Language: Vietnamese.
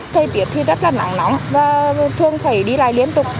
thời tiết thì rất là nắng nóng và thường phải đi lại liên tục